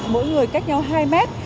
mỗi người cách nhau hai mét